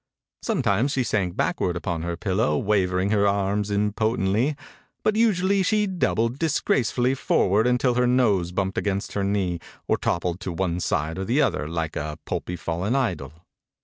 Sometimes she sank backward upon her pillow wa ving her arms impotently, but usually she doubled disgracefully forward until her nose bumped against her knee, or toppled to one side or the other like a pulpy fallen idol.